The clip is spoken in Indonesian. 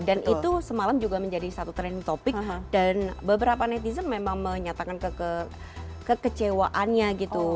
dan itu semalam juga menjadi satu trending topic dan beberapa netizen memang menyatakan kekecewaannya gitu